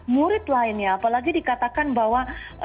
murid lainnya apalagi dikatakan bahwa